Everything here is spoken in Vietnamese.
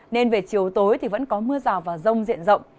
nên về chiều tối thì vẫn có mưa rào và rông diện rộng